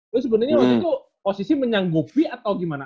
lu sebenernya waktu itu posisi menyanggupi atau gimana